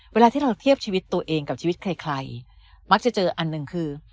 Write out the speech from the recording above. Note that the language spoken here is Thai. เวลาที่เราเทียบชีวิตตัวเองกับชีวิตใครมักจะเจออันหนึ่งคือ